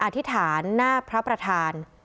อธิษฐานหน้าพระประธาน